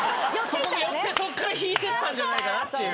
そこに寄ってそこから引いていったんじゃないかなっていう。